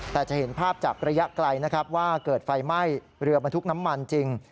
แต่จะเห็นภาพจากระยะไกลนะครับว่าเกิดไฟไหม้เรือบรรทุกน้ำมันจริง